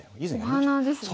お花ですね。